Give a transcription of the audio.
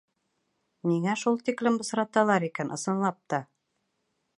Ниңә шул тиклем бысраталар икән, ысынлап та.